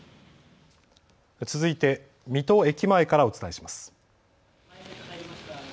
続いて水戸駅前からお伝えします。